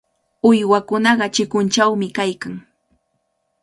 Uywakunaqa chikunchawnami kaykan.